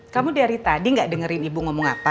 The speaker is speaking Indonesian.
kamu dari tadi gak dengerin ibu ngomong apa